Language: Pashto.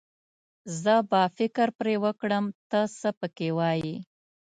زه به فکر پرې وکړم، ته څه پکې وايې.